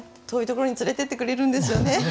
遠いところに連れてってくれるんですよね。